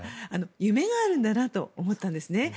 夢があるんだなと思ったんですね。